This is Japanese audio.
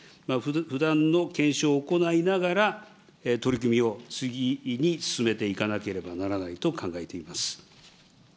不断の検証を行いながら、取り組みを次に進めていかなければならないと考えています。